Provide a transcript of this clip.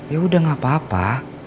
yaudah gak apa apa